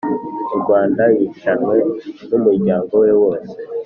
u rwanda yicanwe n'umuryango we wose.